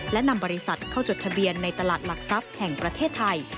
และนำบริษัทเข้าจดทะเบียนในตลาดหลักทรัพย์แห่งประเทศไทย